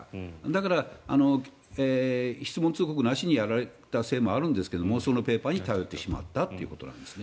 だから、質問通告なしにやられたせいもあるんですけどそのペーパーに頼ってしまったということです。